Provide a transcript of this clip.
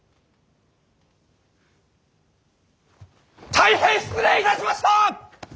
大変失礼いたしました！